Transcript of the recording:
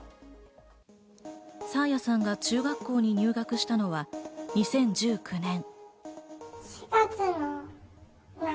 爽彩さんが中学校に入学したのは２０１９年。